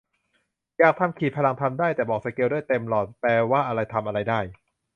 อยากทำขีดพลัง ทำได้ แต่บอกสเกลด้วย เต็มหลอดแปลว่าอะไร ทำอะไรได้